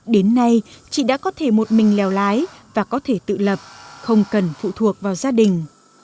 đến nay chị đã có thể một mình lèo lái và có thể tự lập không cần phụ thuộc vào gia đình